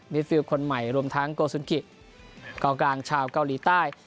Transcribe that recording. ฟิลคนใหม่รวมทั้งโกสุนกิกองกลางชาวเกาหลีใต้